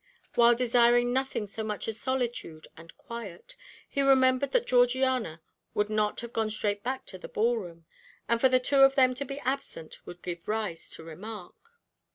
While desiring nothing so much as solitude and quiet, he remembered that Georgiana would not have gone straight back to the ball room, and for the two of them to be absent would give rise to remark.